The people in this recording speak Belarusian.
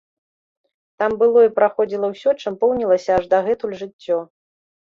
Там было і праходзіла ўсё, чым поўнілася аж дагэтуль жыццё.